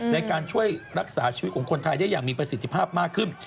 ในการช่วยรักษาชีวิตของคนไทยได้อย่างมีประสิทธิภาพมากขึ้น